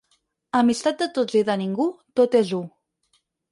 Amistat de tots i de ningú, tot és u.